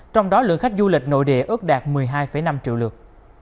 trong đó lượng khách du lịch nội địa ước đạt một mươi hai năm triệu lượt